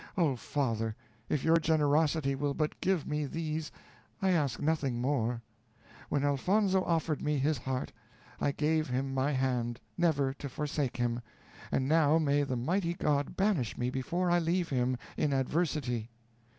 Oh, father! if your generosity will but give me these, I ask nothing more. When Elfonzo offered me his heart, I gave him my hand, never to forsake him, and now may the mighty God banish me before I leave him in adversity.